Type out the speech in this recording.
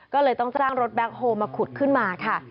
ก็เลยต้องจ้างรถแบ็คโฮลมาขุดขึ้นมาค่ะ